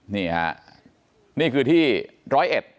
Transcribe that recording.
นี่ฮะนี่คือที่ร้อยเอ็ด